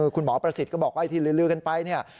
คุณหมอประสิทธิ์ก็บอกว่าไอ้ที่ลือกันไปเนี่ย